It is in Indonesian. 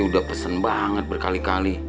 udah pesen banget berkali kali